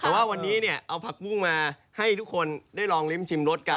วันนี้เอาผักบุ้งมาให้ทุกคนได้รองลิมชิมลดกัน